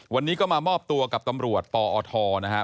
วันนี้ก็มามอบตัวกับตำรวจปอทนะฮะ